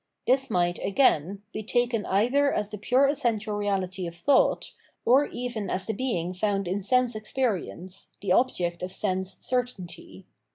This might, again, be taken either as the pure essential reahty of thought, or even as the being found in sense experience, the object of sense certainty.